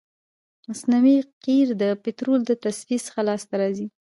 مصنوعي قیر د پطرولو د تصفیې څخه لاسته راځي